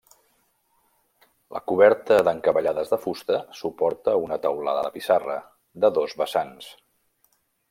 La coberta d'encavallades de fusta suporta una teulada de pissarra, de dos vessants.